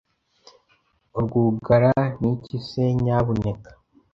Urwugara niki se nyabuneka